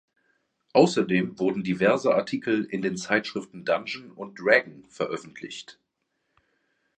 Außerdem wurden diverse Artikel in den Zeitschriften „Dungeon“ und „Dragon veröffentlicht“.